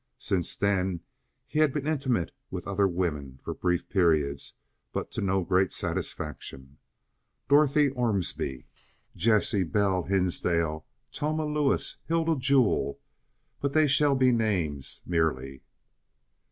Since then he had been intimate with other women for brief periods, but to no great satisfaction—Dorothy Ormsby, Jessie Belle Hinsdale, Toma Lewis, Hilda Jewell; but they shall be names merely.